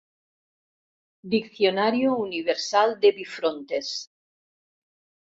«Diccionario Universal de Bifrontes».